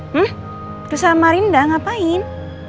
hmm kesama rinda ngapain